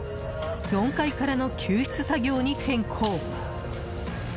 ４階からの救出作業に変更。